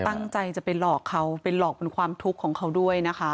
ตั้งใจจะไปหลอกเขาไปหลอกเป็นความทุกข์ของเขาด้วยนะคะ